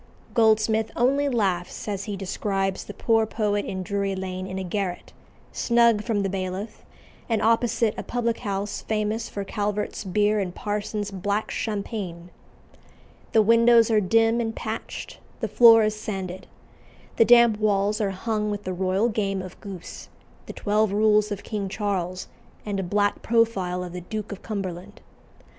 Goldsmith only laughs as he describes the poor poet in Drury Lane in a garret, snug from the Bailiff, and opposite a public house famous for Calvert's beer and Parsons's "black champagne." The windows are dim and patched; the floor is sanded. The damp walls are hung with the royal game of goose, the twelve rules of King Charles, and a black profile of the Duke of Cumberland.